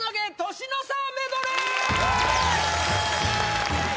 年の差メドレー